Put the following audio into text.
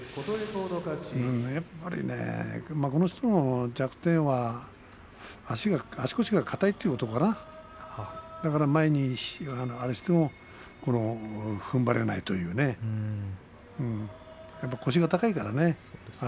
やっぱりねこの人の弱点は足腰がかたいということかなだから前にあれしてもふんばれないというね腰が高いからね。